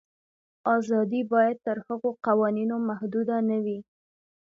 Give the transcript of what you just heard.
آزادي باید تر هغو قوانینو محدوده نه وي.